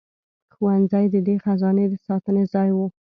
ښوونځي د دې خزانې د ساتنې ځای وو.